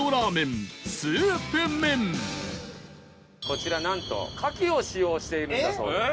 こちらなんと牡蠣を使用しているんだそうです。